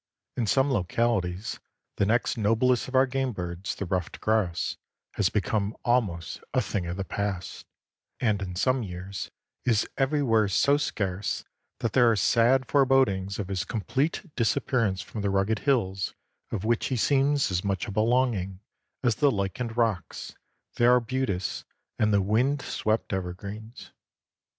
In some localities the next noblest of our game birds, the ruffed grouse, has become almost a thing of the past, and in some years is everywhere so scarce that there are sad forebodings of his complete disappearance from the rugged hills of which he seems as much a belonging as the lichened rocks, the arbutus and the wind swept evergreens.